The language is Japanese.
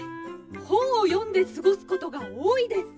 ほんをよんですごすことがおおいです。